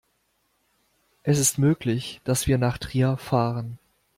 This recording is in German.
Es ist möglich, dass wir nach Trier fahren